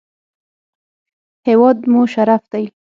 هېواد مو شرف دی